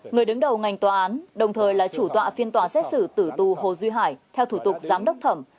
người đứng đầu ngành tòa án đồng thời là chủ tọa phiên tòa xét xử tử tù hồ duy hải theo thủ tục giám đốc thẩm